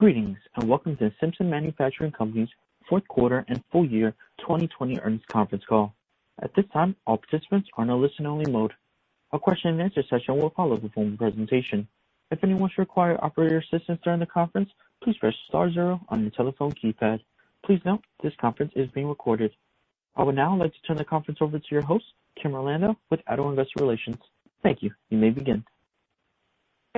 Greetings and welcome to the Simpson Manufacturing Company's fourth quarter and full year 2020 earnings conference call. At this time, all participants are in a listen-only mode. A question-and-answer session will follow the formal presentation. If anyone should require operator assistance during the conference, please press star zero on your telephone keypad. Please note, this conference is being recorded. I would now like to turn the conference over to your host, Kim Orlando, with ADDO Investor Relations. Thank you. You may begin.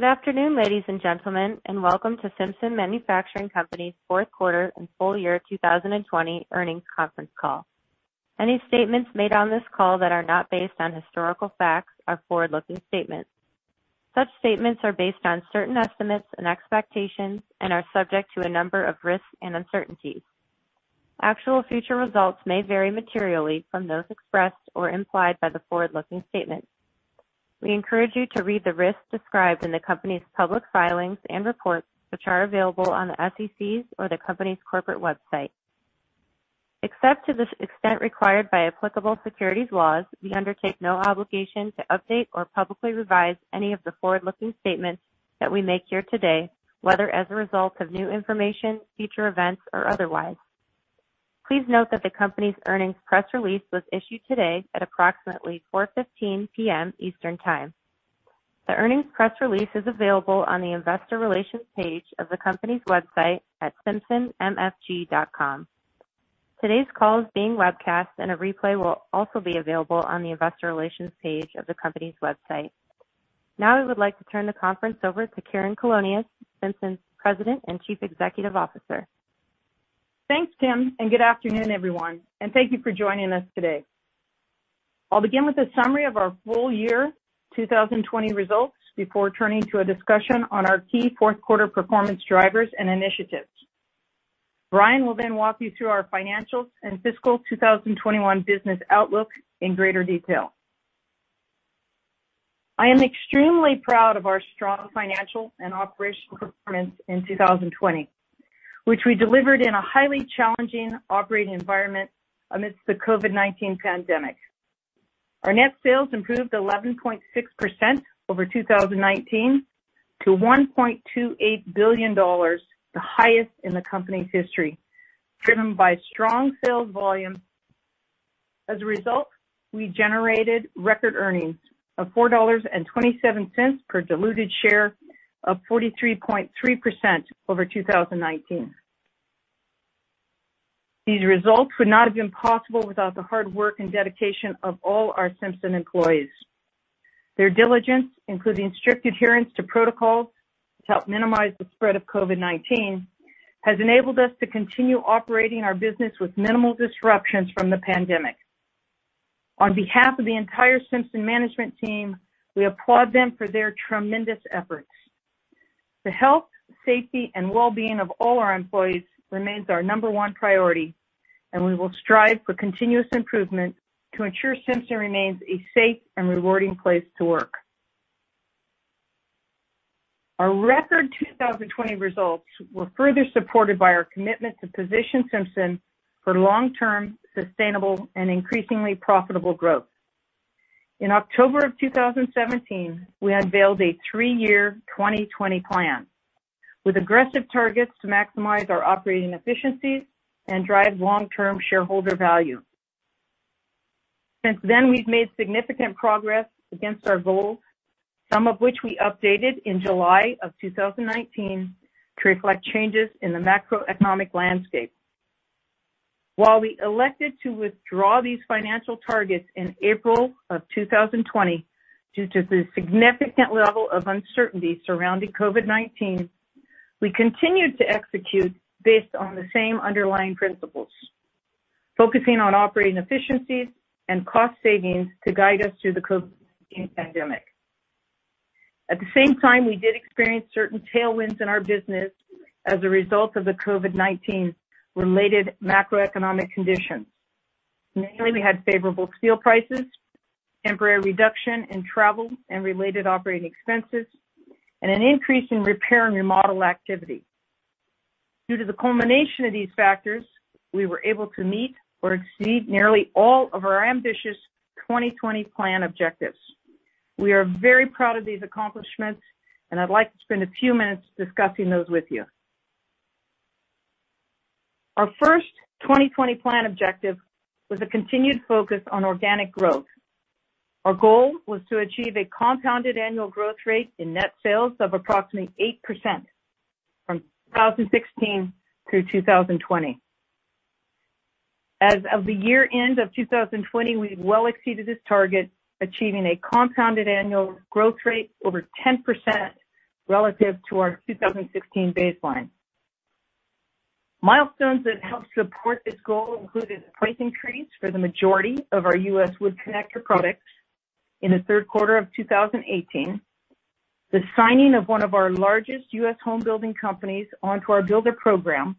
Good afternoon, ladies and gentlemen, and welcome to Simpson Manufacturing Company's fourth quarter and full year 2020 earnings conference call. Any statements made on this call that are not based on historical facts are forward-looking statements. Such statements are based on certain estimates and expectations and are subject to a number of risks and uncertainties. Actual future results may vary materially from those expressed or implied by the forward-looking statements. We encourage you to read the risks described in the company's public filings and reports, which are available on the SEC's or the company's corporate website. Except to the extent required by applicable securities laws, we undertake no obligation to update or publicly revise any of the forward-looking statements that we make here today, whether as a result of new information, future events, or otherwise. Please note that the company's earnings press release was issued today at approximately 4:15 P.M. Eastern Time. The earnings press release is available on the Investor Relations page of the company's website at simpsonmfg.com. Today's call is being webcast, and a replay will also be available on the Investor Relations page of the company's website. Now, I would like to turn the conference over to Karen Colonias, Simpson's President and Chief Executive Officer. Thanks, Kim, and good afternoon, everyone, and thank you for joining us today. I'll begin with a summary of our full year 2020 results before turning to a discussion on our key fourth quarter performance drivers and initiatives. Brian will then walk you through our financials and fiscal 2021 business outlook in greater detail. I am extremely proud of our strong financial and operational performance in 2020, which we delivered in a highly challenging operating environment amidst the COVID-19 pandemic. Our net sales improved 11.6% over 2019 to $1.28 billion, the highest in the company's history, driven by strong sales volumes. As a result, we generated record earnings of $4.27 per diluted share of 43.3% over 2019. These results would not have been possible without the hard work and dedication of all our Simpson employees. Their diligence, including strict adherence to protocols to help minimize the spread of COVID-19, has enabled us to continue operating our business with minimal disruptions from the pandemic. On behalf of the entire Simpson management team, we applaud them for their tremendous efforts. The health, safety, and well-being of all our employees remains our number one priority, and we will strive for continuous improvement to ensure Simpson remains a safe and rewarding place to work. Our record 2020 results were further supported by our commitment to position Simpson for long-term, sustainable, and increasingly profitable growth. In October of 2017, we unveiled a three-year 2020 plan with aggressive targets to maximize our operating efficiencies and drive long-term shareholder value. Since then, we've made significant progress against our goals, some of which we updated in July of 2019 to reflect changes in the macroeconomic landscape. While we elected to withdraw these financial targets in April of 2020 due to the significant level of uncertainty surrounding COVID-19, we continued to execute based on the same underlying principles, focusing on operating efficiencies and cost savings to guide us through the COVID-19 pandemic. At the same time, we did experience certain tailwinds in our business as a result of the COVID-19-related macroeconomic conditions. Mainly, we had favorable steel prices, temporary reduction in travel and related operating expenses, and an increase in repair and remodel activity. Due to the culmination of these factors, we were able to meet or exceed nearly all of our ambitious 2020 plan objectives. We are very proud of these accomplishments, and I'd like to spend a few minutes discussing those with you. Our first 2020 plan objective was a continued focus on organic growth. Our goal was to achieve a compounded annual growth rate in net sales of approximately 8% from 2016 through 2020. As of the year-end of 2020, we well exceeded this target, achieving a compounded annual growth rate over 10% relative to our 2016 baseline. Milestones that helped support this goal included price increase for the majority of our U.S. wood connector products in the third quarter of 2018, the signing of one of our largest U.S. home building companies onto our Builder Program,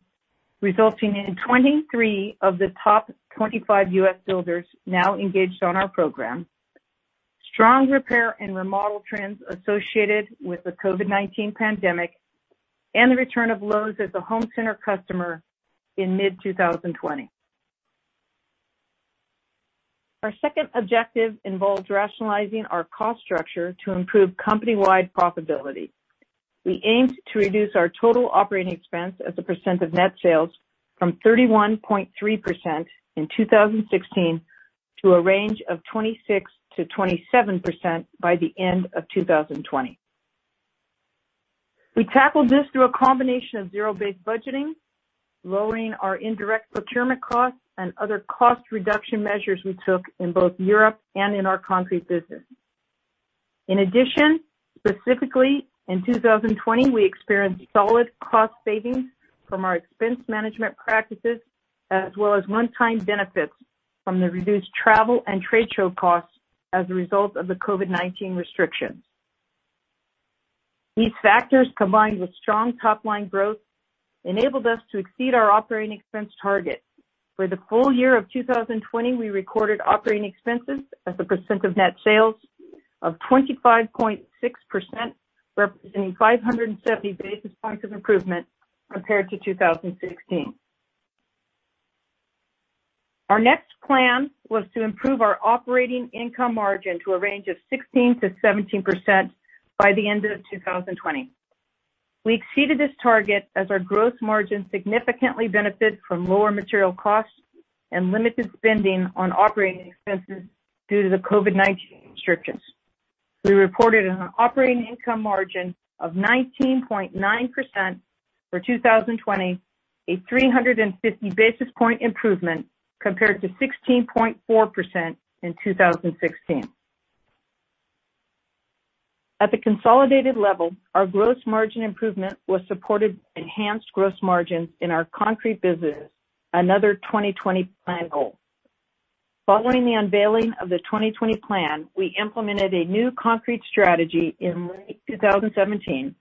resulting in 23 of the top 25 U.S. builders now engaged on our program, strong repair and remodel trends associated with the COVID-19 pandemic, and the return of Lowe's as a home center customer in mid-2020. Our second objective involved rationalizing our cost structure to improve company-wide profitability. We aimed to reduce our total operating expense as a percent of net sales from 31.3% in 2016 to a range of 26%-27% by the end of 2020. We tackled this through a combination of Zero-based budgeting, lowering our indirect procurement costs, and other cost reduction measures we took in both Europe and in our concrete business. In addition, specifically in 2020, we experienced solid cost savings from our expense management practices, as well as one-time benefits from the reduced travel and trade show costs as a result of the COVID-19 restrictions. These factors, combined with strong top-line growth, enabled us to exceed our operating expense target. For the full year of 2020, we recorded operating expenses as a percent of net sales of 25.6%, representing 570 basis points of improvement compared to 2016. Our next plan was to improve our operating income margin to a range of 16%-17% by the end of 2020. We exceeded this target as our gross margin significantly benefited from lower material costs and limited spending on operating expenses due to the COVID-19 restrictions. We reported an operating income margin of 19.9% for 2020, a 350 basis point improvement compared to 16.4% in 2016. At the consolidated level, our gross margin improvement was supported by enhanced gross margins in our concrete business, another 2020 plan goal. Following the unveiling of the 2020 plan, we implemented a new concrete strategy in late 2017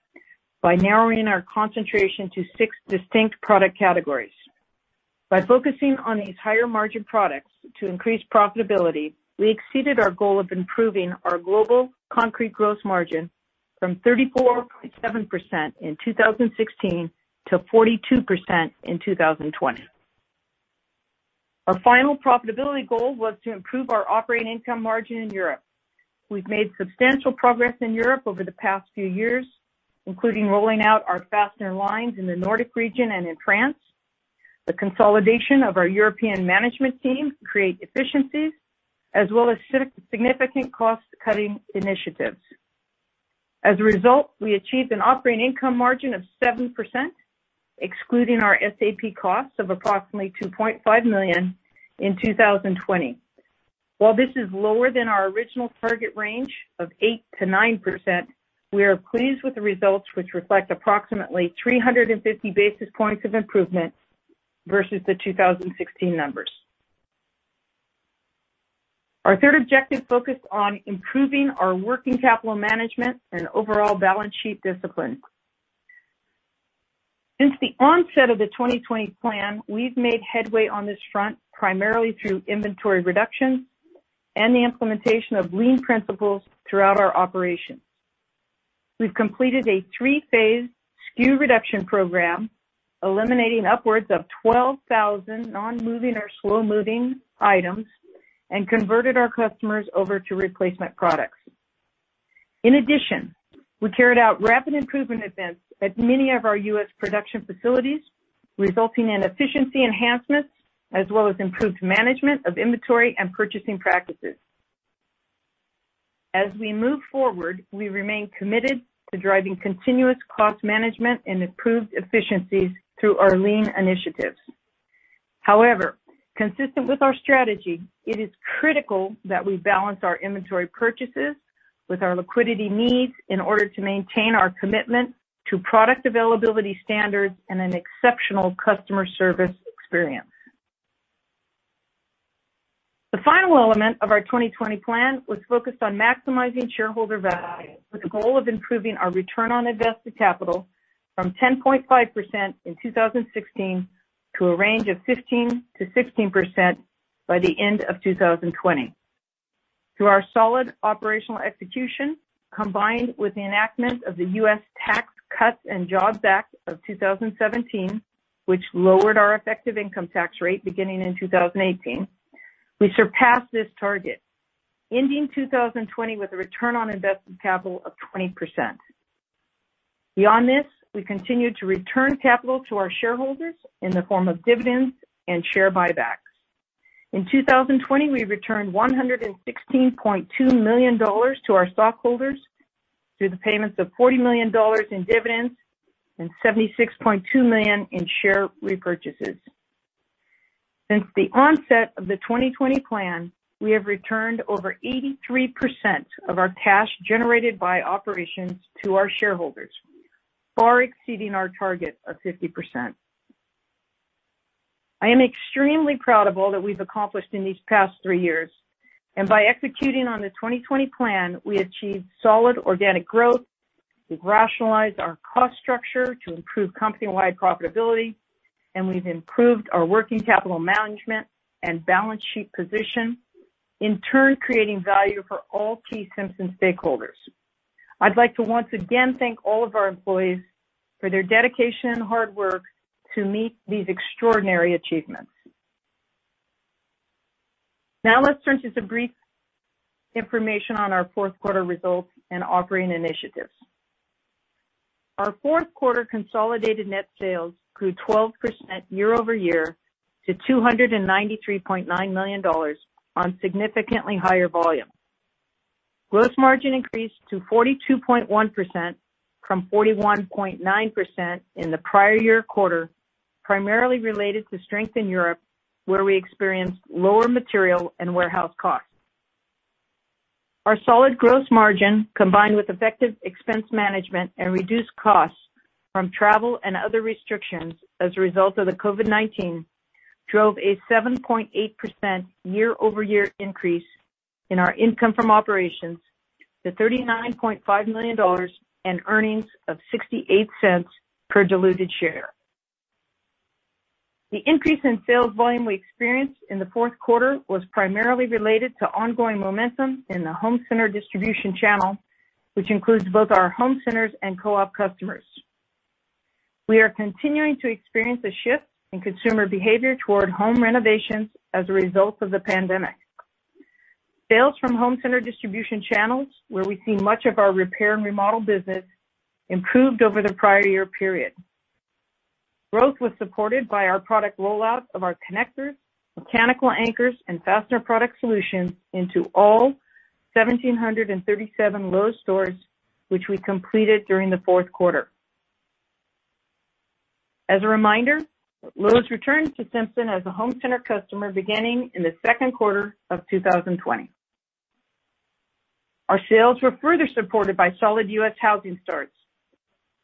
by narrowing our concentration to six distinct product categories. By focusing on these higher margin products to increase profitability, we exceeded our goal of improving our global concrete gross margin from 34.7% in 2016 to 42% in 2020. Our final profitability goal was to improve our operating income margin in Europe. We've made substantial progress in Europe over the past few years, including rolling out our fastener lines in the Nordic region and in France, the consolidation of our European management team to create efficiencies, as well as significant cost-cutting initiatives. As a result, we achieved an operating income margin of 7%, excluding our SAP costs of approximately $2.5 million in 2020. While this is lower than our original target range of 8%-9%, we are pleased with the results, which reflect approximately 350 basis points of improvement versus the 2016 numbers. Our third objective focused on improving our working capital management and overall balance sheet discipline. Since the onset of the 2020 plan, we've made headway on this front primarily through inventory reductions and the implementation of lean principles throughout our operations. We've completed a three-phase SKU reduction program, eliminating upwards of 12,000 non-moving or slow-moving items, and converted our customers over to replacement products. In addition, we carried out rapid improvement events at many of our U.S. production facilities, resulting in efficiency enhancements as well as improved management of inventory and purchasing practices. As we move forward, we remain committed to driving continuous cost management and improved efficiencies through our lean initiatives. However, consistent with our strategy, it is critical that we balance our inventory purchases with our liquidity needs in order to maintain our commitment to product availability standards and an exceptional customer service experience. The final element of our 2020 plan was focused on maximizing shareholder value with the goal of improving our return on invested capital from 10.5% in 2016 to a range of 15%-16% by the end of 2020. Through our solid operational execution, combined with the enactment of the U.S. Tax Cuts and Jobs Act of 2017, which lowered our effective income tax rate beginning in 2018, we surpassed this target, ending 2020 with a return on invested capital of 20%. Beyond this, we continued to return capital to our shareholders in the form of dividends and share buybacks. In 2020, we returned $116.2 million to our stockholders through the payments of $40 million in dividends and $76.2 million in share repurchases. Since the onset of the 2020 plan, we have returned over 83% of our cash generated by operations to our shareholders, far exceeding our target of 50%. I am extremely proud of all that we've accomplished in these past three years, and by executing on the 2020 plan, we achieved solid organic growth. We've rationalized our cost structure to improve company-wide profitability, and we've improved our working capital management and balance sheet position, in turn creating value for all key Simpson stakeholders. I'd like to once again thank all of our employees for their dedication and hard work to meet these extraordinary achievements. Now, let's turn to some brief information on our fourth quarter results and operating initiatives. Our fourth quarter consolidated net sales grew 12% year-over-year to $293.9 million on significantly higher volume. Gross margin increased to 42.1% from 41.9% in the prior year quarter, primarily related to strength in Europe, where we experienced lower material and warehouse costs. Our solid gross margin, combined with effective expense management and reduced costs from travel and other restrictions as a result of the COVID-19, drove a 7.8% year-over-year increase in our income from operations to $39.5 million and earnings of $0.68 per diluted share. The increase in sales volume we experienced in the fourth quarter was primarily related to ongoing momentum in the home center distribution channel, which includes both our home centers and co-op customers. We are continuing to experience a shift in consumer behavior toward home renovations as a result of the pandemic. Sales from home center distribution channels, where we see much of our repair and remodel business, improved over the prior year period. Growth was supported by our product rollout of our connectors, mechanical anchors, and fastener product solutions into all 1,737 Lowe's stores, which we completed during the fourth quarter. As a reminder, Lowe's returned to Simpson as a home center customer beginning in the second quarter of 2020. Our sales were further supported by solid U.S. housing starts.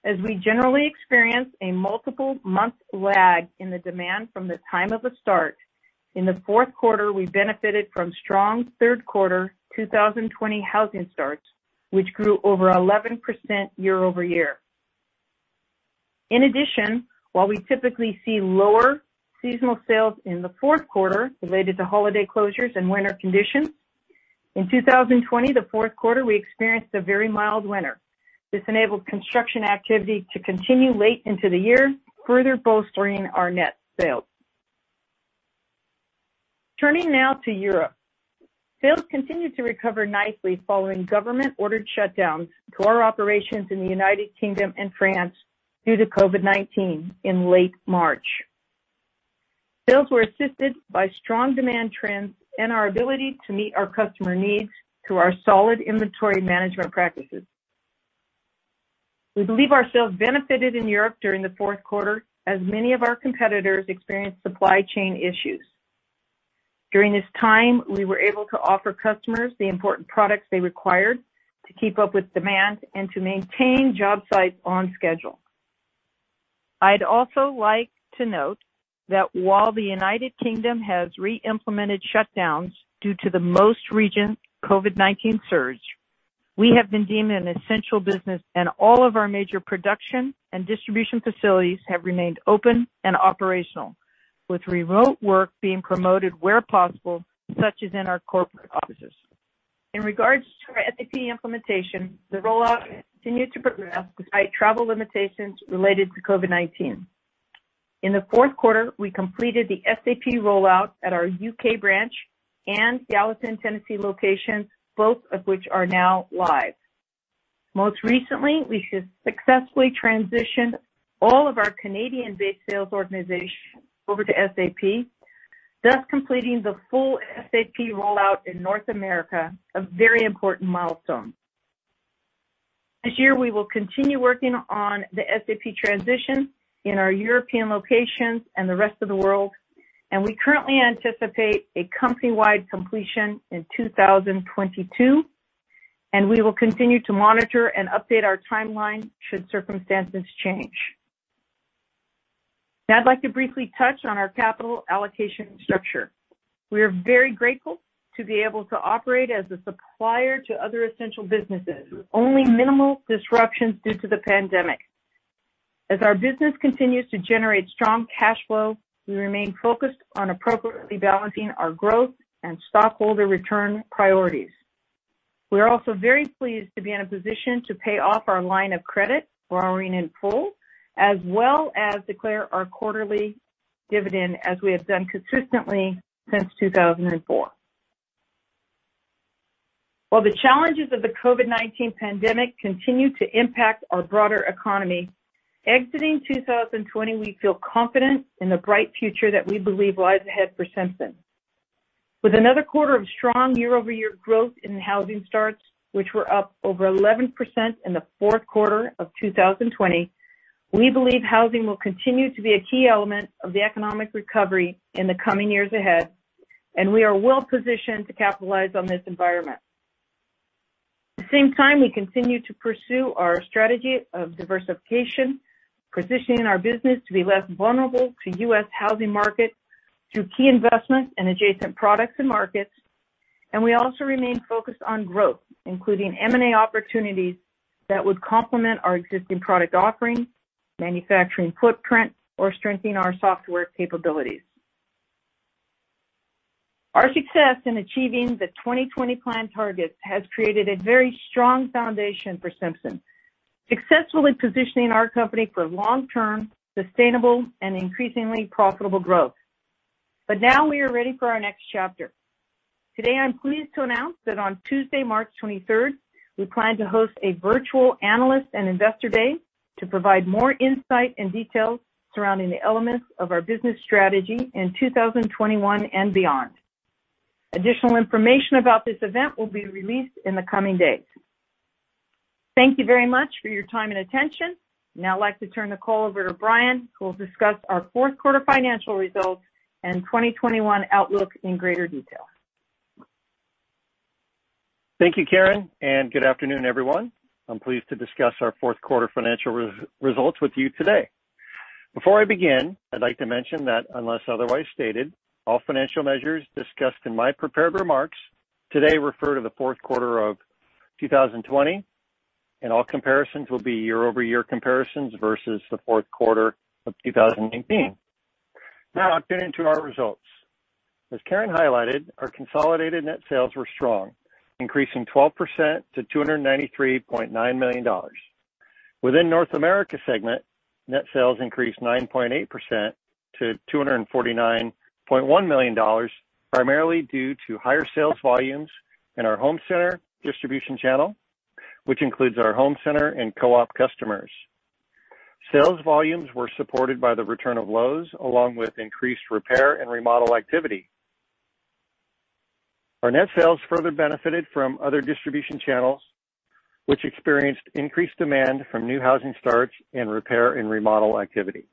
As we generally experience a multiple-month lag in the demand from the time of the start, in the fourth quarter, we benefited from strong third quarter 2020 housing starts, which grew over 11% year-over-year. In addition, while we typically see lower seasonal sales in the fourth quarter related to holiday closures and winter conditions, in 2020, the fourth quarter, we experienced a very mild winter. This enabled construction activity to continue late into the year, further bolstering our net sales. Turning now to Europe, sales continued to recover nicely following government-ordered shutdowns to our operations in the United Kingdom and France due to COVID-19 in late March. Sales were assisted by strong demand trends and our ability to meet our customer needs through our solid inventory management practices. We believe our sales benefited in Europe during the fourth quarter, as many of our competitors experienced supply chain issues. During this time, we were able to offer customers the important products they required to keep up with demand and to maintain job sites on schedule. I'd also like to note that while the United Kingdom has re-implemented shutdowns due to the most recent COVID-19 surge, we have been deemed an essential business, and all of our major production and distribution facilities have remained open and operational, with remote work being promoted where possible, such as in our corporate offices. In regards to our SAP implementation, the rollout continued to progress despite travel limitations related to COVID-19. In the fourth quarter, we completed the SAP rollout at our U.K. branch and Gallatin, Tennessee locations, both of which are now live. Most recently, we successfully transitioned all of our Canadian-based sales organizations over to SAP, thus completing the full SAP rollout in North America, a very important milestone. This year, we will continue working on the SAP transition in our European locations and the rest of the world, and we currently anticipate a company-wide completion in 2022, and we will continue to monitor and update our timeline should circumstances change. Now, I'd like to briefly touch on our capital allocation structure. We are very grateful to be able to operate as a supplier to other essential businesses, with only minimal disruptions due to the pandemic. As our business continues to generate strong cash flow, we remain focused on appropriately balancing our growth and stockholder return priorities. We are also very pleased to be in a position to pay off our line of credit borrowing in full, as well as declare our quarterly dividend, as we have done consistently since 2004. While the challenges of the COVID-19 pandemic continue to impact our broader economy, exiting 2020, we feel confident in the bright future that we believe lies ahead for Simpson. With another quarter of strong year-over-year growth in housing starts, which were up over 11% in the fourth quarter of 2020, we believe housing will continue to be a key element of the economic recovery in the coming years ahead, and we are well positioned to capitalize on this environment. At the same time, we continue to pursue our strategy of diversification, positioning our business to be less vulnerable to the U.S. housing market through key investments and adjacent products and markets. We also remain focused on growth, including M&A opportunities that would complement our existing product offering, manufacturing footprint, or strengthening our software capabilities. Our success in achieving the 2020 Plan targets has created a very strong foundation for Simpson, successfully positioning our company for long-term, sustainable, and increasingly profitable growth. Now, we are ready for our next chapter. Today, I'm pleased to announce that on Tuesday, March 23rd, we plan to host a virtual analyst and investor day to provide more insight and details surrounding the elements of our business strategy in 2021 and beyond. Additional information about this event will be released in the coming days. Thank you very much for your time and attention. Now, I'd like to turn the call over to Brian, who will discuss our fourth quarter financial results and 2021 outlook in greater detail. Thank you, Karen, and good afternoon, everyone. I'm pleased to discuss our fourth quarter financial results with you today. Before I begin, I'd like to mention that, unless otherwise stated, all financial measures discussed in my prepared remarks today refer to the fourth quarter of 2020, and all comparisons will be year-over-year comparisons versus the fourth quarter of 2019. Now, I'll turn to our results. As Karen highlighted, our consolidated net sales were strong, increasing 12% to $293.9 million. Within the North America segment, net sales increased 9.8% to $249.1 million, primarily due to higher sales volumes in our home center distribution channel, which includes our home center and co-op customers. Sales volumes were supported by the return of Lowe's, along with increased repair and remodel activity. Our net sales further benefited from other distribution channels, which experienced increased demand from new housing starts and repair and remodel activity.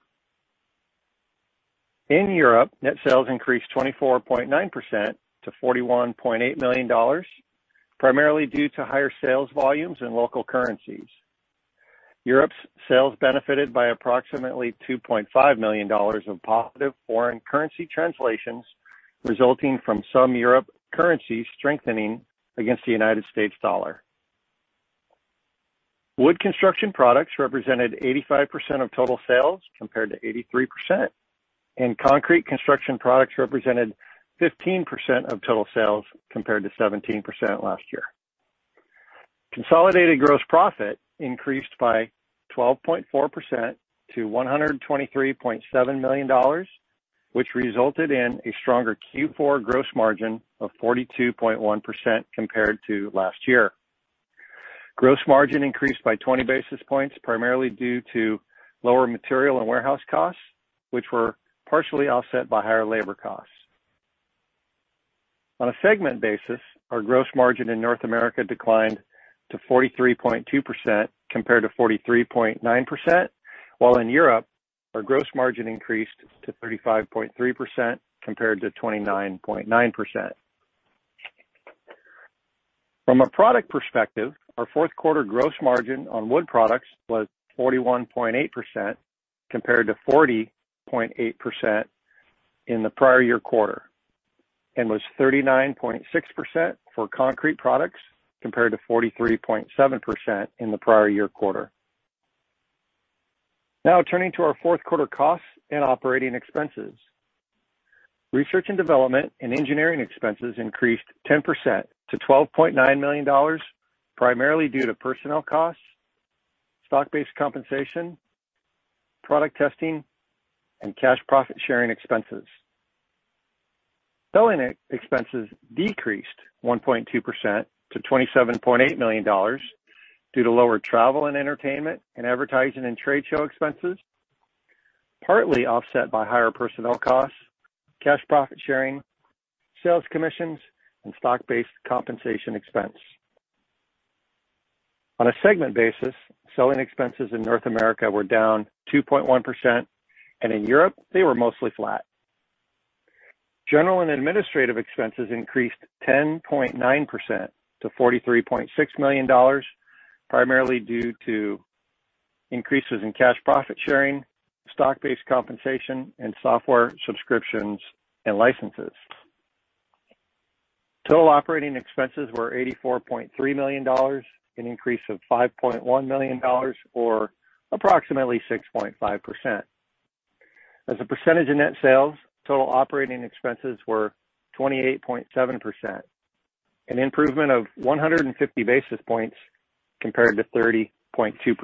In Europe, net sales increased 24.9% to $41.8 million, primarily due to higher sales volumes in local currencies. Europe's sales benefited by approximately $2.5 million of positive foreign currency translations, resulting from some European currencies strengthening against the United States dollar. Wood construction products represented 85% of total sales compared to 83%, and concrete construction products represented 15% of total sales compared to 17% last year. Consolidated gross profit increased by 12.4% to $123.7 million, which resulted in a stronger Q4 gross margin of 42.1% compared to last year. Gross margin increased by 20 basis points, primarily due to lower material and warehouse costs, which were partially offset by higher labor costs. On a segment basis, our gross margin in North America declined to 43.2% compared to 43.9%, while in Europe, our gross margin increased to 35.3% compared to 29.9%. From a product perspective, our fourth quarter gross margin on wood products was 41.8% compared to 40.8% in the prior year quarter, and was 39.6% for concrete products compared to 43.7% in the prior year quarter. Now, turning to our fourth quarter costs and operating expenses. Research and development and engineering expenses increased 10% to $12.9 million, primarily due to personnel costs, stock-based compensation, product testing, and cash profit sharing expenses. Selling expenses decreased 1.2% to $27.8 million due to lower travel and entertainment and advertising and trade show expenses, partly offset by higher personnel costs, cash profit sharing, sales commissions, and stock-based compensation expense. On a segment basis, selling expenses in North America were down 2.1%, and in Europe, they were mostly flat. General and administrative expenses increased 10.9% to $43.6 million, primarily due to increases in cash profit sharing, stock-based compensation, and software subscriptions and licenses. Total operating expenses were $84.3 million, an increase of $5.1 million, or approximately 6.5%. As a percentage of net sales, total operating expenses were 28.7%, an improvement of 150 basis points compared to 30.2%.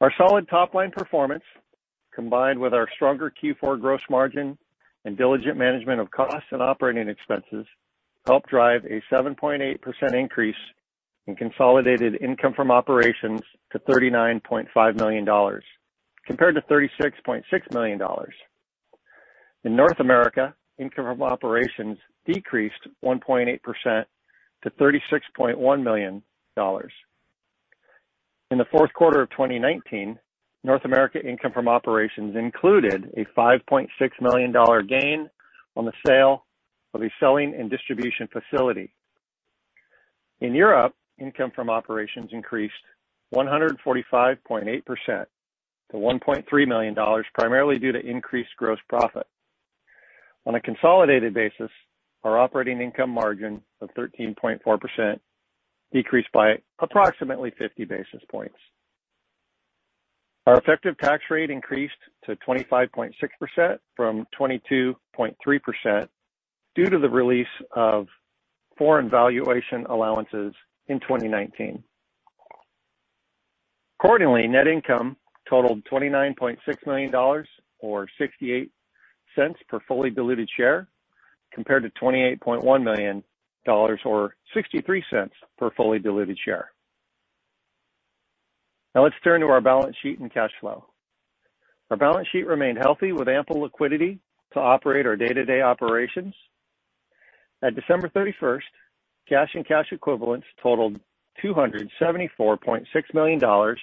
Our solid top-line performance, combined with our stronger Q4 gross margin and diligent management of costs and operating expenses, helped drive a 7.8% increase in consolidated income from operations to $39.5 million, compared to $36.6 million. In North America, income from operations decreased 1.8% to $36.1 million. In the fourth quarter of 2019, North America income from operations included a $5.6 million gain on the sale of a selling and distribution facility. In Europe, income from operations increased 145.8% to $1.3 million, primarily due to increased gross profit. On a consolidated basis, our operating income margin of 13.4% decreased by approximately 50 basis points. Our effective tax rate increased to 25.6% from 22.3% due to the release of foreign valuation allowances in 2019. Accordingly, net income totaled $29.6 million, or $0.68 per fully diluted share, compared to $28.1 million, or $0.63 per fully diluted share. Now, let's turn to our balance sheet and cash flow. Our balance sheet remained healthy, with ample liquidity to operate our day-to-day operations. At December 31st, cash and cash equivalents totaled $274.6 million,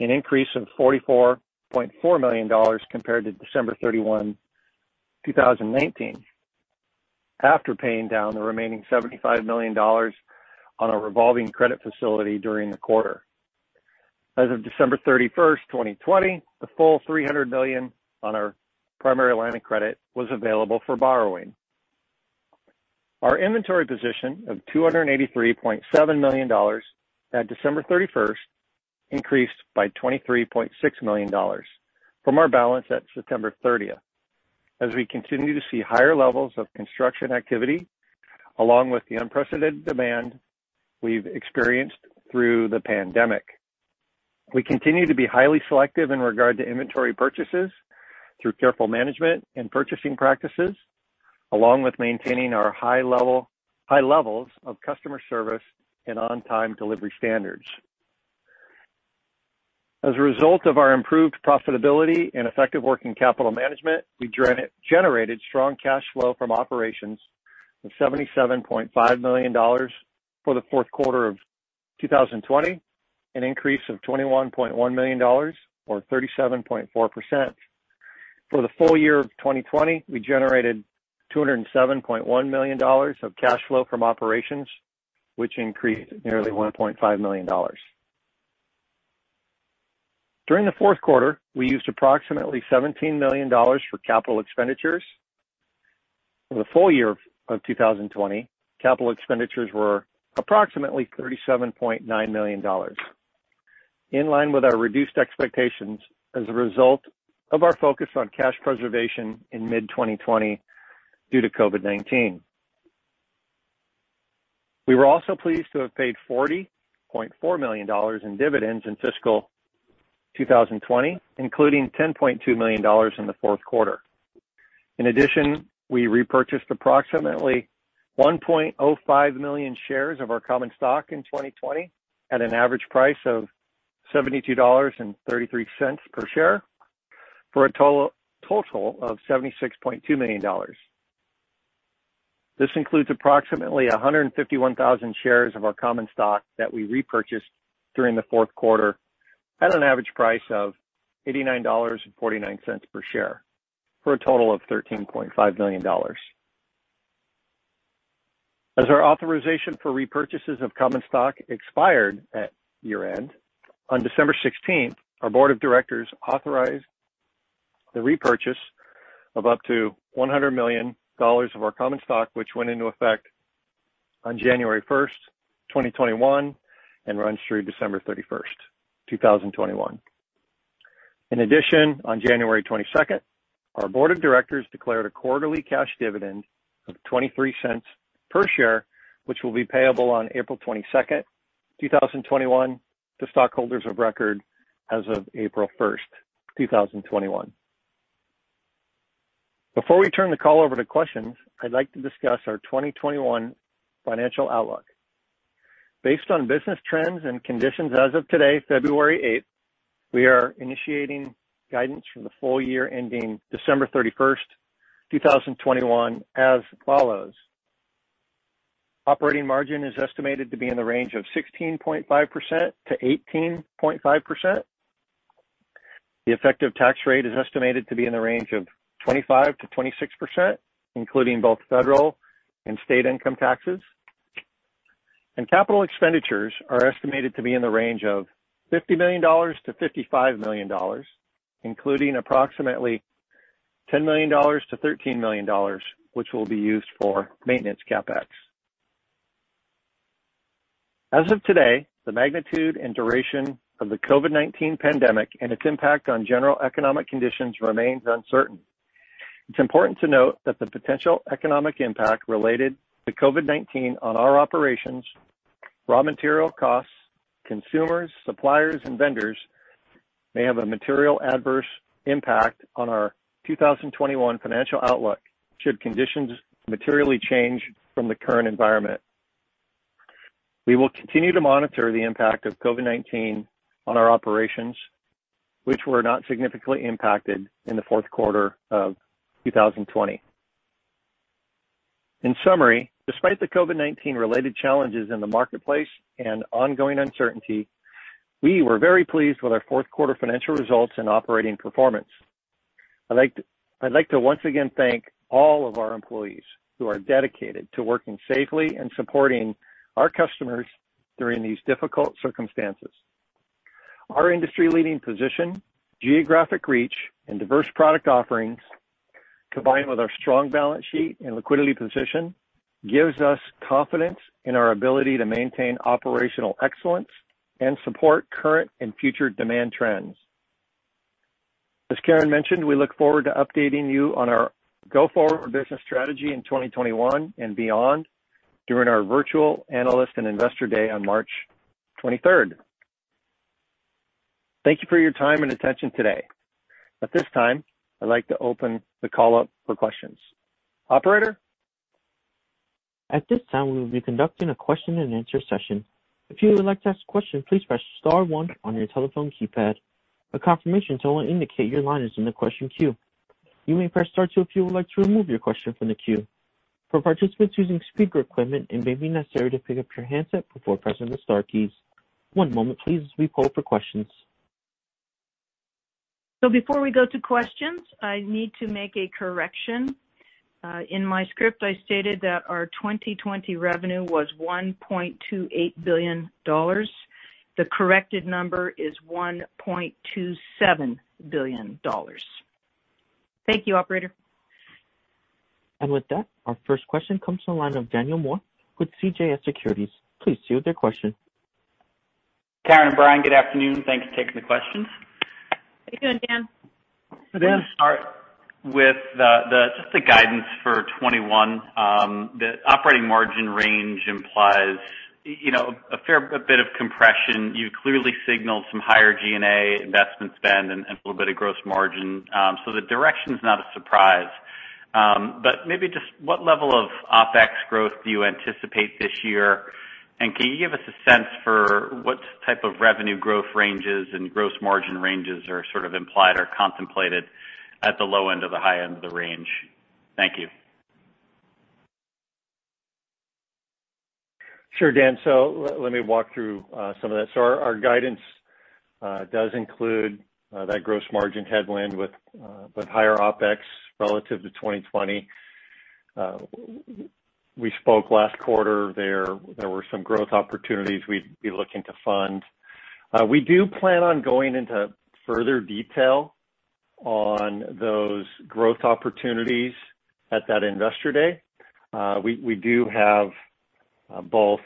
an increase of $44.4 million compared to December 31, 2019, after paying down the remaining $75 million on a revolving credit facility during the quarter. As of December 31st, 2020, the full $300 million on our primary line of credit was available for borrowing. Our inventory position of $283.7 million at December 31st increased by $23.6 million from our balance at September 30th, as we continue to see higher levels of construction activity, along with the unprecedented demand we've experienced through the pandemic. We continue to be highly selective in regard to inventory purchases through careful management and purchasing practices, along with maintaining our high levels of customer service and on-time delivery standards. As a result of our improved profitability and effective working capital management, we generated strong cash flow from operations of $77.5 million for the fourth quarter of 2020, an increase of $21.1 million, or 37.4%. For the full year of 2020, we generated $207.1 million of cash flow from operations, which increased nearly $1.5 million. During the fourth quarter, we used approximately $17 million for capital expenditures. For the full year of 2020, capital expenditures were approximately $37.9 million, in line with our reduced expectations as a result of our focus on cash preservation in mid-2020 due to COVID-19. We were also pleased to have paid $40.4 million in dividends in fiscal 2020, including $10.2 million in the fourth quarter. In addition, we repurchased approximately 1.05 million shares of our common stock in 2020 at an average price of $72.33 per share, for a total of $76.2 million. This includes approximately 151,000 shares of our common stock that we repurchased during the fourth quarter at an average price of $89.49 per share, for a total of $13.5 million. As our authorization for repurchases of common stock expired at year-end, on December 16th, our board of directors authorized the repurchase of up to $100 million of our common stock, which went into effect on January 1, 2021, and runs through December 31s, 2021. In addition, on January 22nd, our board of directors declared a quarterly cash dividend of $0.23 per share, which will be payable on April 22nd, 2021, to stockholders of record as of April 1st, 2021. Before we turn the call over to questions, I'd like to discuss our 2021 financial outlook. Based on business trends and conditions as of today, February 8, we are initiating guidance for the full year ending December 31, 2021, as follows. Operating margin is estimated to be in the range of 16.5%-18.5%. The effective tax rate is estimated to be in the range of 25%-26%, including both federal and state income taxes. Capital expenditures are estimated to be in the range of $50 million-$55 million, including approximately $10 million-$13 million, which will be used for maintenance CapEx. As of today, the magnitude and duration of the COVID-19 pandemic and its impact on general economic conditions remains uncertain. It's important to note that the potential economic impact related to COVID-19 on our operations, raw material costs, consumers, suppliers, and vendors may have a material adverse impact on our 2021 financial outlook should conditions materially change from the current environment. We will continue to monitor the impact of COVID-19 on our operations, which were not significantly impacted in the fourth quarter of 2020. In summary, despite the COVID-19-related challenges in the marketplace and ongoing uncertainty, we were very pleased with our fourth quarter financial results and operating performance. I'd like to once again thank all of our employees who are dedicated to working safely and supporting our customers during these difficult circumstances. Our industry-leading position, geographic reach, and diverse product offerings, combined with our strong balance sheet and liquidity position, gives us confidence in our ability to maintain operational excellence and support current and future demand trends. As Karen mentioned, we look forward to updating you on our go-forward business strategy in 2021 and beyond during our virtual analyst and investor day on March 23rd. Thank you for your time and attention today. At this time, I'd like to open the call up for questions. Operator? At this time, we will be conducting a question-and-answer session. If you would like to ask a question, please press star one on your telephone keypad. A confirmation tone will indicate your line is in the question queue. You may press star two if you would like to remove your question from the queue. For participants using speaker equipment, it may be necessary to pick up your handset before pressing the star keys. One moment, please, as we poll for questions. So before we go to questions, I need to make a correction. In my script, I stated that our 2020 revenue was $1.28 billion. The corrected number is $1.27 billion. Thank you, Operator. And with that, our first question comes from the line of Daniel Moore with CJS Securities. Please go ahead with your question. Karen and Brian, good afternoon. Thanks for taking the questions. Thank you, Dan. I'll start with just the guidance for 2021. The operating margin range implies a fair bit of compression. You've clearly signaled some higher G&A investment spend and a little bit of gross margin. So the direction's not a surprise. But maybe just what level of OpEx growth do you anticipate this year? And can you give us a sense for what type of revenue growth ranges and gross margin ranges are sort of implied or contemplated at the low end or the high end of the range? Thank you. Sure, Dan. So let me walk through some of that. So our guidance does include that gross margin headwind with higher OpEx relative to 2020. We spoke last quarter. There were some growth opportunities we'd be looking to fund. We do plan on going into further detail on those growth opportunities at that investor day. We do have both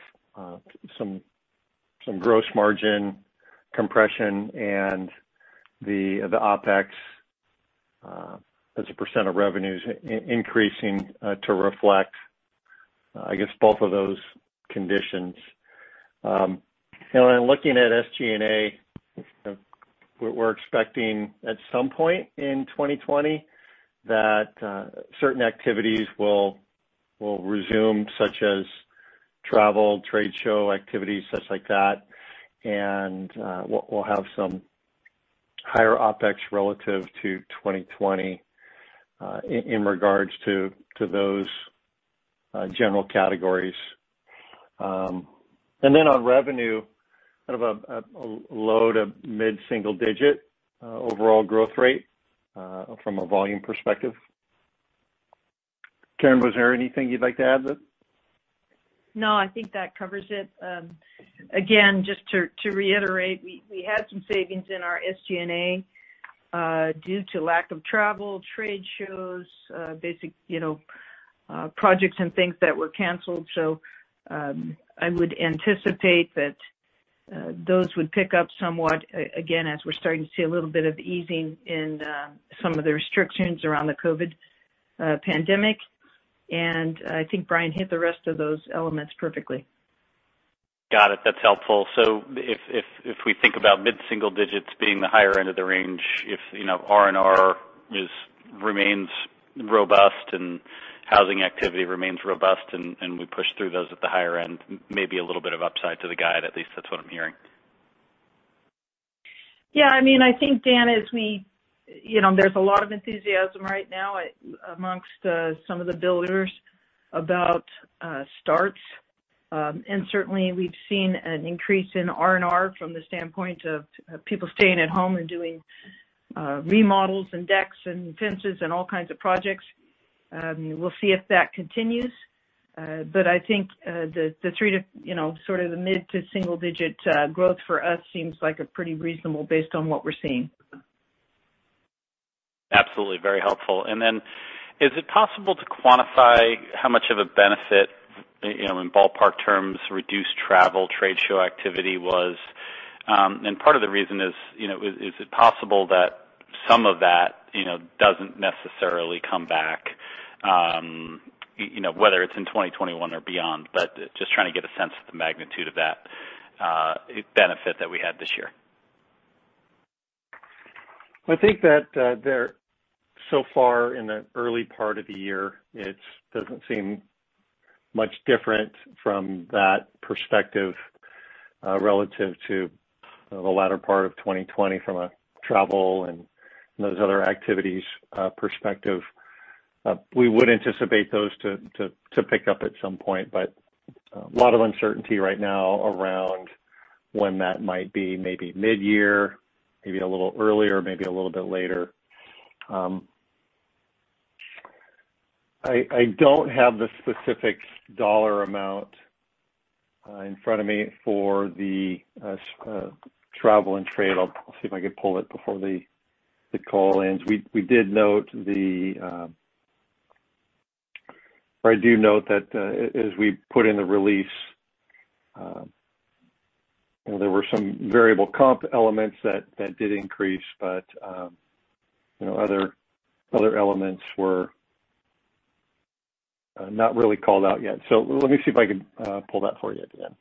some gross margin compression and the OpEx as a percent of revenues increasing to reflect, I guess, both of those conditions. Looking at SG&A, we're expecting at some point in 2020 that certain activities will resume, such as travel, trade show activities, such like that. We'll have some higher OpEx relative to 2020 in regards to those general categories. Then on revenue, kind of a low to mid-single-digit overall growth rate from a volume perspective. Karen, was there anything you'd like to add? No, I think that covers it. Again, just to reiterate, we had some savings in our SG&A due to lack of travel, trade shows, projects, and things that were canceled. I would anticipate that those would pick up somewhat, again, as we're starting to see a little bit of easing in some of the restrictions around the COVID pandemic. And I think Brian hit the rest of those elements perfectly. Got it. That's helpful. So if we think about mid-single digits being the higher end of the range, if R&R remains robust and housing activity remains robust and we push through those at the higher end, maybe a little bit of upside to the guide, at least that's what I'm hearing. Yeah. I mean, I think, Dan, there's a lot of enthusiasm right now amongst some of the builders about starts. And certainly, we've seen an increase in R&R from the standpoint of people staying at home and doing remodels and decks and fences and all kinds of projects. We'll see if that continues. But I think the sort of the mid to single-digit growth for us seems like a pretty reasonable based on what we're seeing. Absolutely. Very helpful. And then is it possible to quantify how much of a benefit, in ballpark terms, reduced travel, trade show activity was? And part of the reason is, is it possible that some of that doesn't necessarily come back, whether it's in 2021 or beyond? But just trying to get a sense of the magnitude of that benefit that we had this year. I think that so far in the early part of the year, it doesn't seem much different from that perspective relative to the latter part of 2020 from a travel and those other activities perspective. We would anticipate those to pick up at some point, but a lot of uncertainty right now around when that might be, maybe mid-year, maybe a little earlier, maybe a little bit later. I don't have the specific dollar amount in front of me for the travel and trade. I'll see if I can pull it before the call ends. I do note that as we put in the release, there were some variable comp elements that did increase, but other elements were not really called out yet. So let me see if I can pull that for you at the end.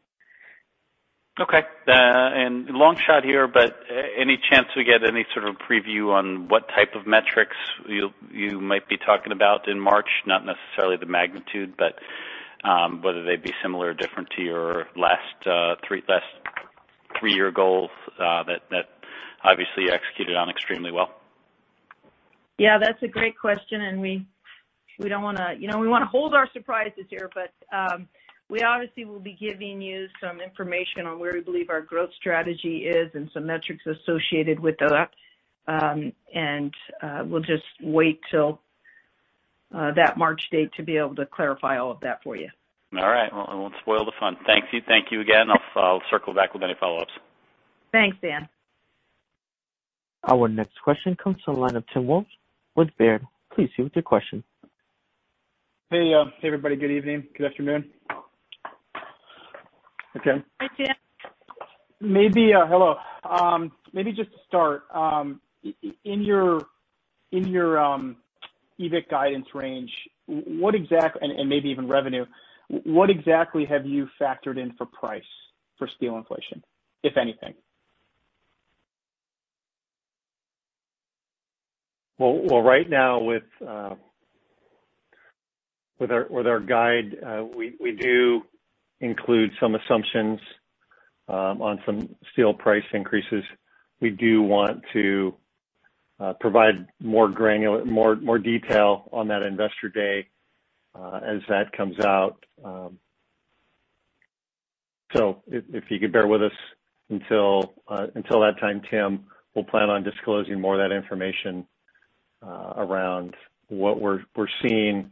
Okay. And long shot here, but any chance we get any sort of preview on what type of metrics you might be talking about in March? Not necessarily the magnitude, but whether they'd be similar or different to your last three-year goals that obviously you executed on extremely well. Yeah. That's a great question. And we don't want to hold our surprises here, but we obviously will be giving you some information on where we believe our growth strategy is and some metrics associated with that. We'll just wait till that March date to be able to clarify all of that for you. All right. Well, I won't spoil the fun. Thank you. Thank you again. I'll circle back with any follow-ups. Thanks, Dan. Our next question comes from the line of Tim Wojs with Baird. Please proceed with your question. Hey, everybody. Good evening. Good afternoon. Okay. Hi, Tim. Hello. So just to start, in your EBITDA guidance range, and maybe even revenue, what exactly have you factored in for steel price inflation, if anything? Well, right now, with our guide, we do include some assumptions on some steel price increases. We do want to provide more detail on that investor day as that comes out. So if you could bear with us until that time, Tim, we'll plan on disclosing more of that information around what we're seeing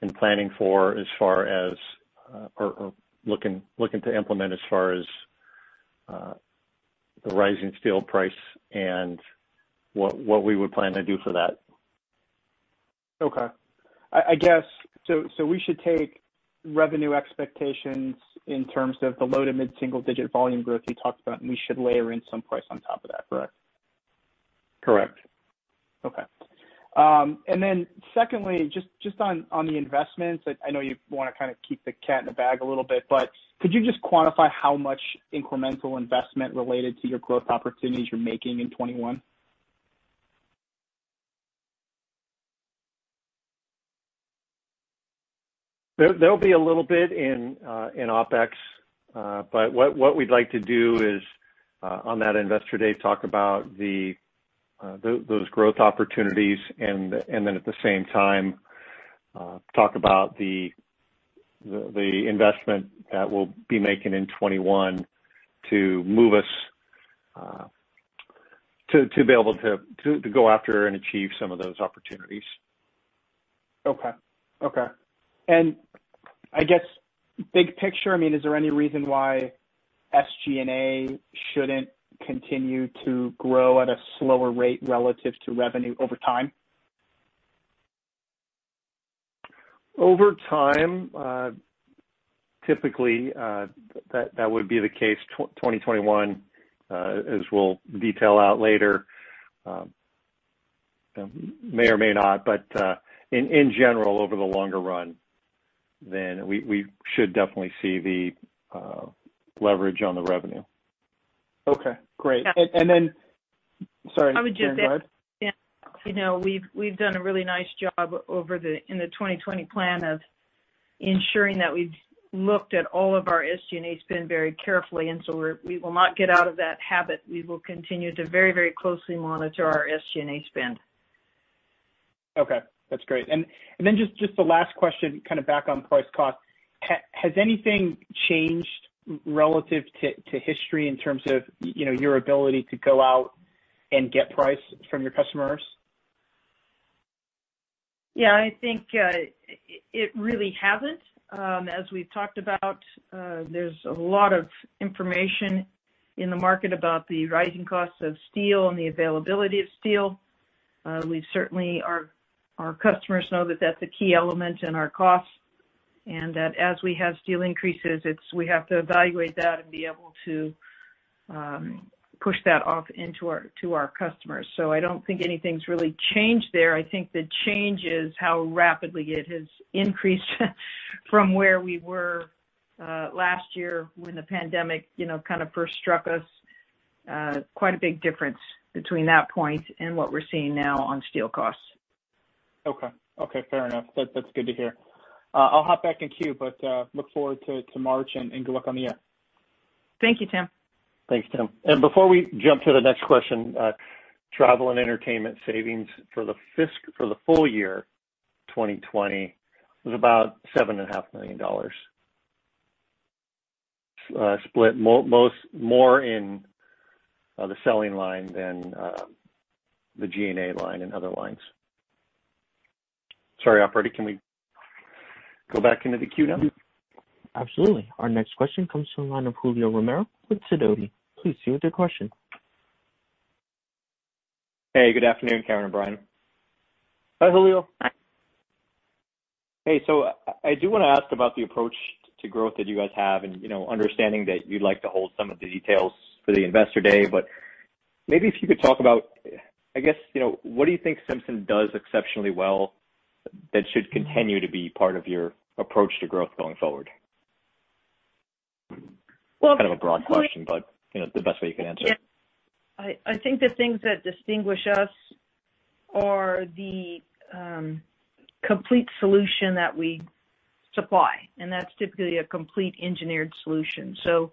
and planning for as far as or looking to implement as far as the rising steel price and what we would plan to do for that. Okay. I guess so we should take revenue expectations in terms of the low to mid-single-digit volume growth you talked about, and we should layer in some price on top of that, correct? Correct. Okay. And then secondly, just on the investments, I know you want to kind of keep the cat in the bag a little bit, but could you just quantify how much incremental investment related to your growth opportunities you're making in 2021? There'll be a little bit in OpEx, but what we'd like to do is, on that investor day, talk about those growth opportunities and then, at the same time, talk about the investment that we'll be making in 2021 to move us to be able to go after and achieve some of those opportunities. Okay. Okay. And I guess, big picture, I mean, is there any reason why SG&A shouldn't continue to grow at a slower rate relative to revenue over time? Over time, typically, that would be the case. 2021, as we'll detail out later, may or may not, but in general, over the longer run, then we should definitely see the leverage on the revenue. Okay. Great. And then sorry. I would just add, we've done a really nice job in the 2020 plan of ensuring that we've looked at all of our SG&A spend very carefully. And so we will not get out of that habit. We will continue to very, very closely monitor our SG&A spend. Okay. That's great. And then just the last question, kind of back on price cost. Has anything changed relative to history in terms of your ability to go out and get price from your customers? Yeah. I think it really hasn't. As we've talked about, there's a lot of information in the market about the rising costs of steel and the availability of steel. Our customers know that that's a key element in our costs and that as we have steel increases, we have to evaluate that and be able to push that off into our customers. So I don't think anything's really changed there. I think the change is how rapidly it has increased from where we were last year when the pandemic kind of first struck us. Quite a big difference between that point and what we're seeing now on steel costs. Okay. Okay. Fair enough. That's good to hear. I'll hop back in queue, but look forward to March and good luck on the year. Thank you, Tim. Thanks, Tim. And before we jump to the next question, travel and entertainment savings for the full year 2020 was about $7.5 million. Split more in the selling line than the G&A line and other lines. Sorry, Operator, can we go back into the queue now? Absolutely. Our next question comes from the line of Julio Romero with Sidoti. Please proceed with your question. Hey, good afternoon, Karen and Brian. Hi, Julio. Hey. So I do want to ask about the approach to growth that you guys have and understanding that you'd like to hold some of the details for the investor day. But maybe if you could talk about, I guess, what do you think Simpson does exceptionally well that should continue to be part of your approach to growth going forward? Kind of a broad question, but the best way you could answer. I think the things that distinguish us are the complete solution that we supply. And that's typically a complete engineered solution. So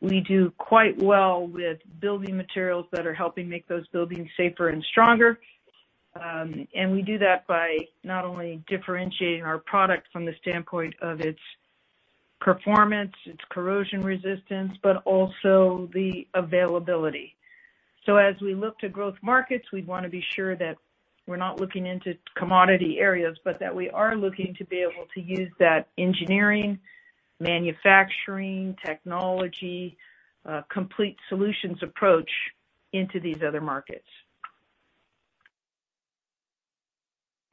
we do quite well with building materials that are helping make those buildings safer and stronger. And we do that by not only differentiating our product from the standpoint of its performance, its corrosion resistance, but also the availability. So as we look to growth markets, we'd want to be sure that we're not looking into commodity areas, but that we are looking to be able to use that engineering, manufacturing, technology, complete solutions approach into these other markets.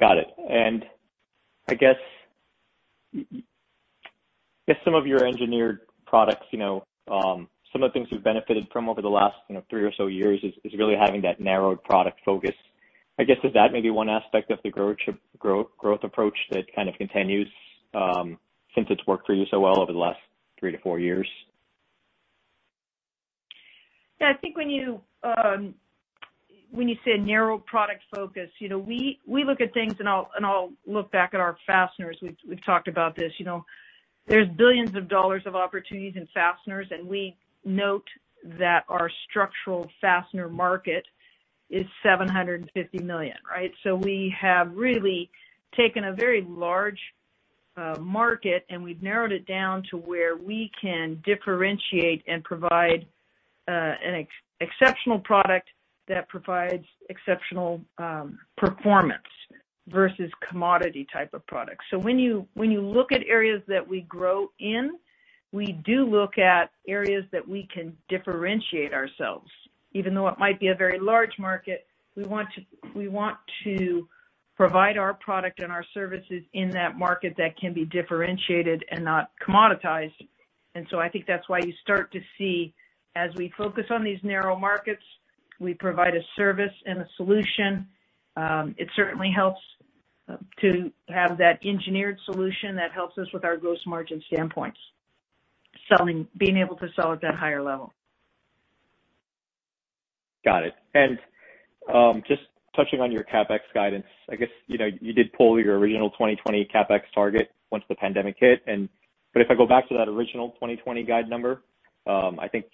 Got it. And I guess some of your engineered products, some of the things you've benefited from over the last three or so years is really having that narrowed product focus. I guess, is that maybe one aspect of the growth approach that kind of continues since it's worked for you so well over the last three to four years? Yeah. I think when you say narrow product focus, we look at things and I'll look back at our fasteners. We've talked about this. There's billions of dollars of opportunities in fasteners, and we note that our structural fastener market is $750 million, right? So we have really taken a very large market, and we've narrowed it down to where we can differentiate and provide an exceptional product that provides exceptional performance versus commodity type of products. When you look at areas that we grow in, we do look at areas that we can differentiate ourselves. Even though it might be a very large market, we want to provide our product and our services in that market that can be differentiated and not commoditized. I think that's why you start to see, as we focus on these narrow markets, we provide a service and a solution. It certainly helps to have that engineered solution that helps us with our gross margin standpoints, being able to sell at that higher level. Got it. Just touching on your CapEx guidance, I guess you did pull your original 2020 CapEx target once the pandemic hit. But if I go back to that original 2020 guide number, I think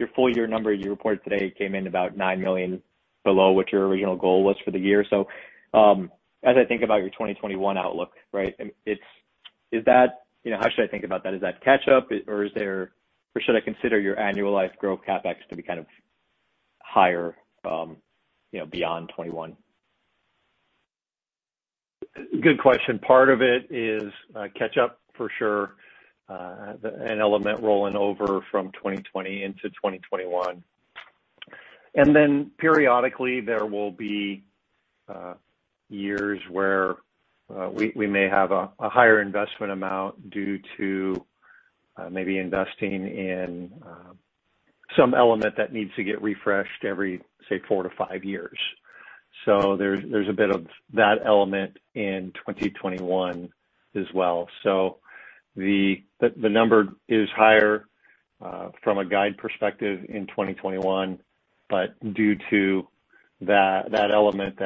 your full year number you reported today came in about $9 million below what your original goal was for the year. So as I think about your 2021 outlook, right, is that how should I think about that? Is that catch-up, or should I consider your annualized growth CapEx to be kind of higher beyond 2021? Good question. Part of it is catch-up for sure, an element rolling over from 2020 into 2021. And then periodically, there will be years where we may have a higher investment amount due to maybe investing in some element that needs to get refreshed every, say, four to five years. So there's a bit of that element in 2021 as well. So the number is higher from a guide perspective in 2021, but due to that element,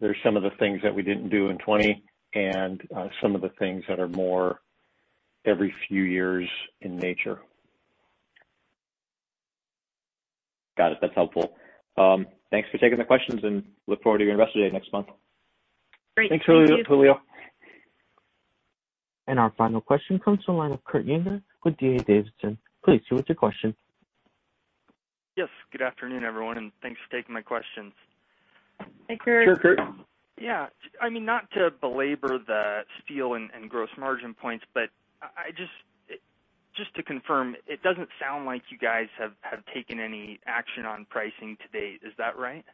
there's some of the things that we didn't do in 2020 and some of the things that are more every few years in nature. Got it. That's helpful. Thanks for taking the questions, and look forward to your investor day next month. Thanks, Julio. Our final question comes from the line of Kurt Yinger with D.A. Davidson. Please go ahead with your question. Yes. Good afternoon, everyone, and thanks for taking my questions. Hey, Kurt. Sure, Kurt. Yeah. I mean, not to belabor the steel and gross margin points, but just to confirm, it doesn't sound like you guys have taken any action on pricing to date. Is that right?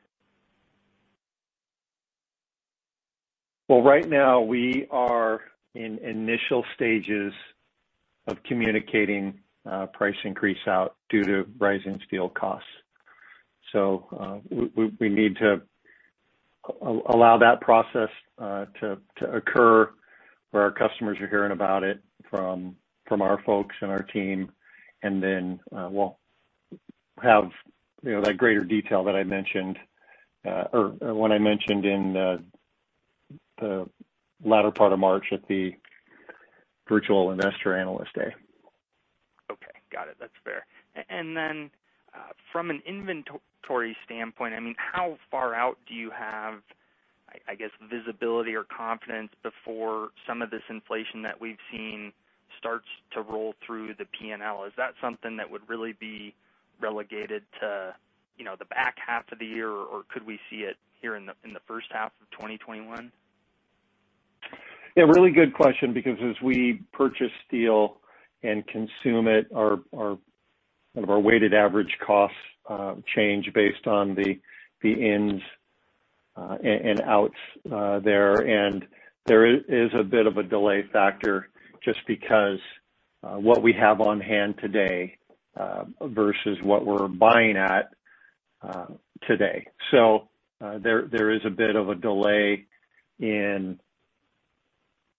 Well, right now, we are in initial stages of communicating price increase out due to rising steel costs. So we need to allow that process to occur where our customers are hearing about it from our folks and our team. And then we'll have that greater detail that I mentioned or when I mentioned in the latter part of March at the virtual investor analyst day. Okay. Got it. That's fair. And then from an inventory standpoint, I mean, how far out do you have, I guess, visibility or confidence before some of this inflation that we've seen starts to roll through the P&L? Is that something that would really be relegated to the back half of the year, or could we see it here in the first half of 2021? Yeah. Really good question because as we purchase steel and consume it, kind of our weighted average costs change based on the ins and outs there. And there is a bit of a delay factor just because what we have on hand today versus what we're buying at today. So there is a bit of a delay in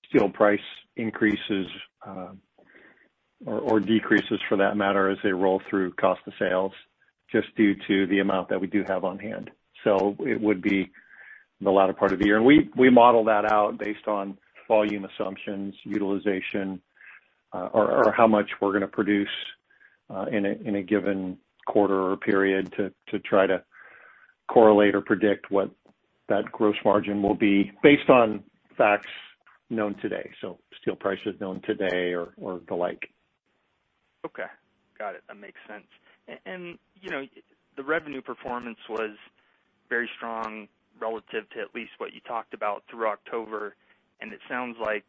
steel price increases or decreases for that matter as they roll through cost of sales just due to the amount that we do have on hand. So it would be the latter part of the year. And we model that out based on volume assumptions, utilization, or how much we're going to produce in a given quarter or period to try to correlate or predict what that gross margin will be based on facts known today. So steel prices known today or the like. Okay. Got it. That makes sense. And the revenue performance was very strong relative to at least what you talked about through October. And it sounds like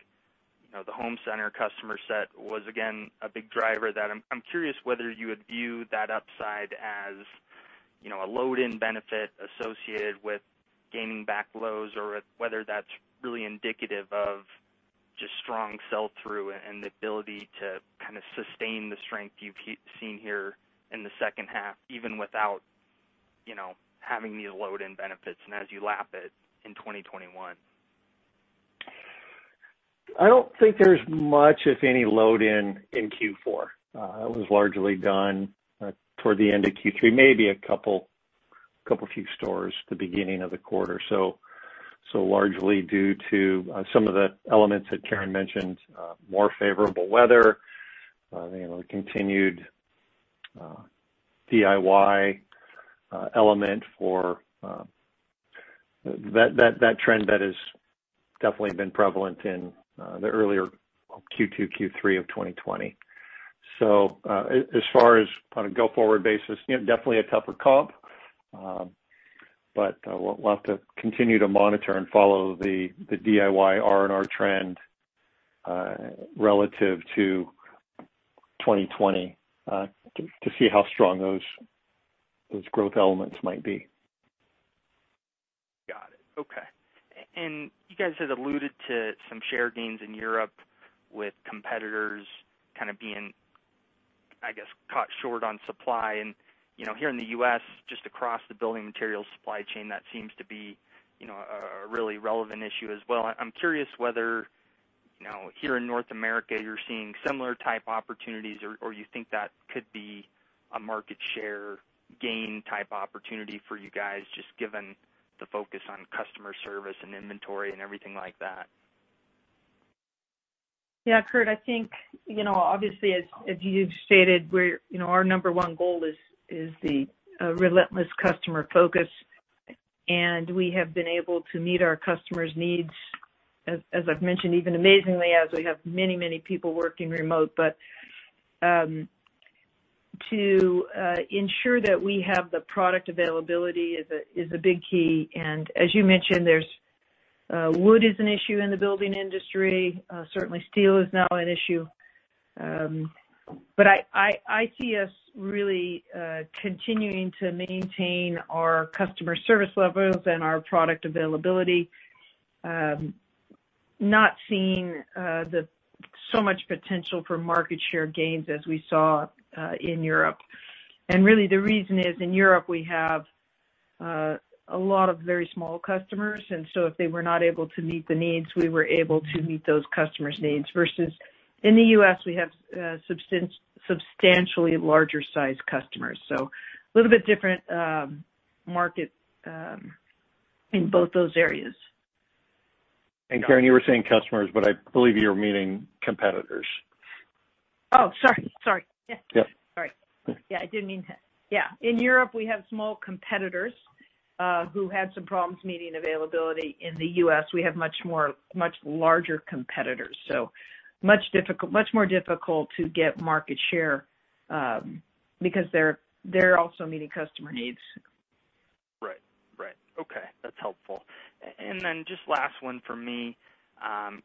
the home center customer set was, again, a big driver that I'm curious whether you would view that upside as a load-in benefit associated with gaining back Lowe's or whether that's really indicative of just strong sell-through and the ability to kind of sustain the strength you've seen here in the second half, even without having these load-in benefits and as you lap it in 2021? I don't think there's much, if any, load-in in Q4. That was largely done toward the end of Q3, maybe a couple few stores at the beginning of the quarter. So largely due to some of the elements that Karen mentioned, more favorable weather, the continued DIY element for that trend that has definitely been prevalent in the earlier Q2, Q3 of 2020. So as far as on a go-forward basis, definitely a tougher comp, but we'll have to continue to monitor and follow the DIY R&R trend relative to 2020 to see how strong those growth elements might be. Got it. Okay. And you guys had alluded to some share gains in Europe with competitors kind of being, I guess, caught short on supply. And here in the U.S., just across the building materials supply chain, that seems to be a really relevant issue as well. I'm curious whether here in North America, you're seeing similar type opportunities or you think that could be a market share gain type opportunity for you guys just given the focus on customer service and inventory and everything like that? Yeah. Kurt, I think, obviously, as you've stated, our number one goal is the relentless customer focus. And we have been able to meet our customers' needs, as I've mentioned, even amazingly as we have many, many people working remote. But to ensure that we have the product availability is a big key. And as you mentioned, wood is an issue in the building industry. Certainly, steel is now an issue. But I see us really continuing to maintain our customer service levels and our product availability, not seeing so much potential for market share gains as we saw in Europe. And really, the reason is in Europe, we have a lot of very small customers. And so if they were not able to meet the needs, we were able to meet those customers' needs versus in the U.S., we have substantially larger-sized customers. So a little bit different market in both those areas. And Karen, you were saying customers, but I believe you were meaning competitors. Sorry. Yeah. I didn't mean to. In Europe, we have small competitors who had some problems meeting availability. In the U.S., we have much larger competitors. So much more difficult to get market share because they're also meeting customer needs. Right. Right. Okay. That's helpful. And then just last one for me.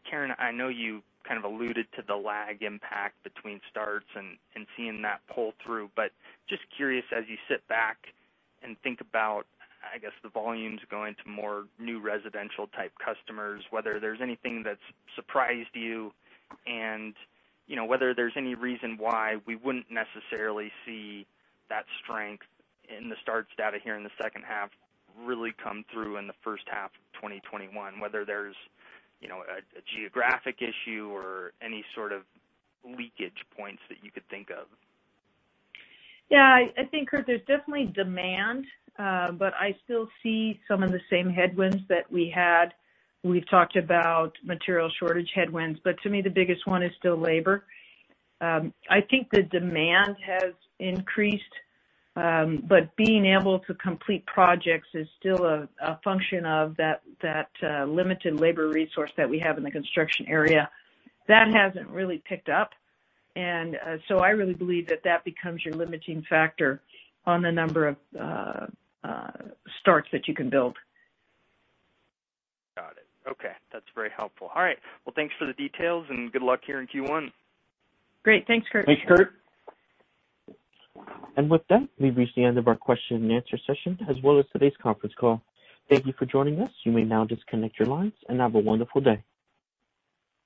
Karen, I know you kind of alluded to the lag impact between starts and seeing that pull through, but just curious as you sit back and think about, I guess, the volumes going to more new residential-type customers, whether there's anything that's surprised you and whether there's any reason why we wouldn't necessarily see that strength in the starts data here in the second half really come through in the first half of 2021, whether there's a geographic issue or any sort of leakage points that you could think of. Yeah. I think, Kurt, there's definitely demand, but I still see some of the same headwinds that we had. We've talked about material shortage headwinds, but to me, the biggest one is still labor. I think the demand has increased, but being able to complete projects is still a function of that limited labor resource that we have in the construction area. That hasn't really picked up. And so I really believe that that becomes your limiting factor on the number of starts that you can build. Got it. Okay. That's very helpful. All right. Well, thanks for the details and good luck here in Q1. Great. Thanks, Kurt. Thanks, Kurt. And with that, we've reached the end of our question-and-answer session as well as today's conference call. Thank you for joining us. You may now disconnect your lines and have a wonderful day.